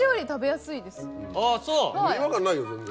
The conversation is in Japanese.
違和感ないよ全然。